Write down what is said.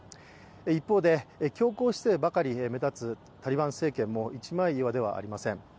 一方で、強硬姿勢ばかり目立つタリバン政権も一枚岩ではありません。